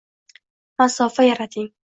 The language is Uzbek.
Masofa yarating.